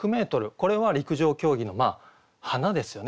これは陸上競技の華ですよね。